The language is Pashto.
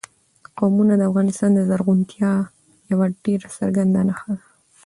قومونه د افغانستان د زرغونتیا یوه ډېره څرګنده نښه ده.